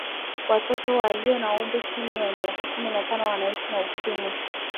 watoto waliyo na umri wa chini ya mika kumi na tano wanaishi na ukimwi